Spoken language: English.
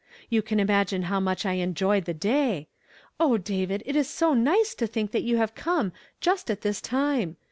You can imagimj how much I enjoyed the day ! O David ! it is so nice to think that you have come just at this time.